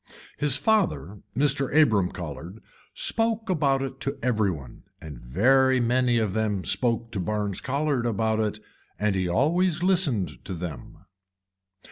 His father Mr. Abram Colhard spoke about it to every one and very many of them spoke to Barnes Colhard about it and he always listened to them.